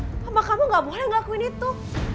sama kamu gak boleh ngelakuin itu